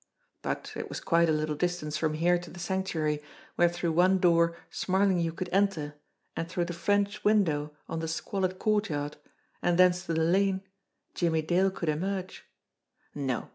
But it was quite a little distance from here to the Sanctuary where through one door Smarlinghue could enter, and through the French window on the squalid court yard, and thence to the lane, Jimmie Dale could emerge, No